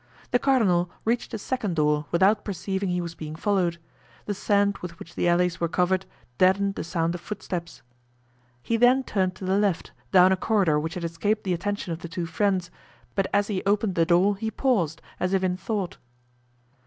The cardinal reached a second door without perceiving he was being followed; the sand with which the alleys were covered deadened the sound of footsteps. He then turned to the left, down a corridor which had escaped the attention of the two friends, but as he opened the door he paused, as if in thought.